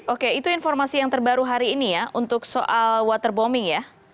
oke itu informasi yang terbaru hari ini ya untuk soal waterbombing ya